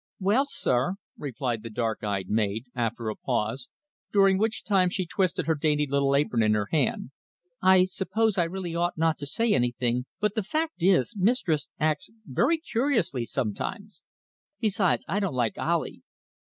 "Well, sir," replied the dark eyed maid, after a pause, during which time she twisted her dainty little apron in her hand, "I suppose I really ought not to say anything, but the fact is mistress acts very curiously sometimes. Besides, I don't like Ali."